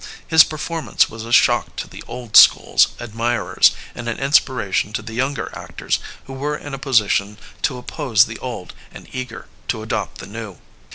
His performance was a shock to the old school's '' admirers and an inspiration to the younger actors who were in a position to oppose the old and eager to adopt the new.